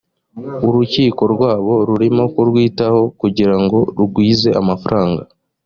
urukiko rwabo rurimo kurwitaho kugira ngo rugwize amafaranga